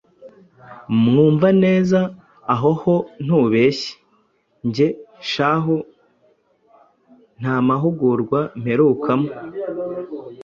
Mwumvaneza:Aho ho ntubeshye. Nge shahu nta mahugurwa mperukamo.